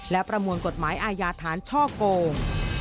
และประมวลกฎหมายอาญาฐานช่อโกง